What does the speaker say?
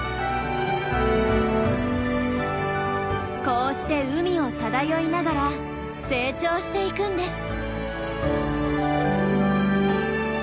こうして海を漂いながら成長していくんです。